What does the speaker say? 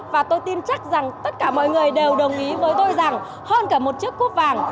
và tôi tin chắc rằng tất cả mọi người đều đồng ý với tôi rằng hơn cả một chiếc cúp vàng